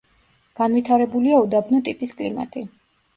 განვითარებულია უდაბნო ტიპის კლიმატი.